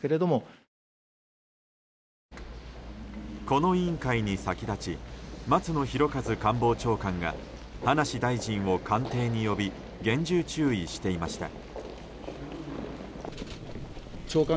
この委員会に先立ち松野博一官房長官が葉梨大臣を官邸に呼び厳重注意していました。